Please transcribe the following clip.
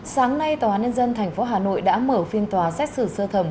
sáng nay tòa án nhân dân tp hà nội đã mở phiên tòa xét xử sơ thẩm